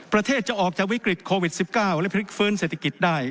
ประเทศจะออกจากวิกฤตโควิด๑๙และพลิกฟื้นเศรษฐกิจได้